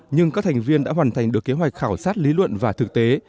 nhưng các thành viên đã hoàn thành được kế hoạch khảo sát lý luận và thực tế